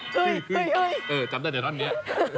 จำได้แต่ท่อนนี้